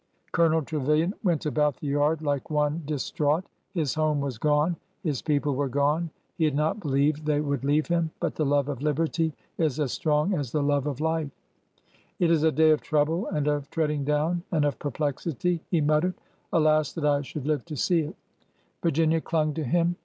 Colonel Trevilian went about the yard like one dis traught. His home was gone. His people were gone. He had not believed they would leave him, but the love of liberty is as strong as the love of life. It is a day of trouble, and of treading down, and of perplexity," he muttered. Alas 1 that I should live to see it 1 " Virginia clung to him.